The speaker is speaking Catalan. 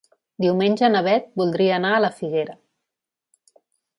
Diumenge na Beth voldria anar a la Figuera.